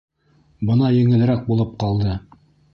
Бына еңелерәк булып ҡалды...